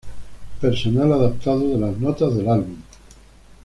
Personal adaptado de las notas del linea del álbum.